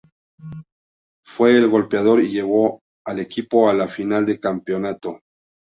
Fue el goleador y llevó al equipo a la final del campeonato.